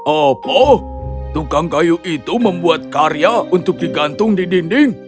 opo tukang kayu itu membuat karya untuk digantung di dinding